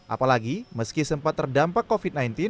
apalagi meski sempat terdampak covid sembilan belas